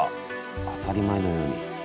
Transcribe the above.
当たり前のように。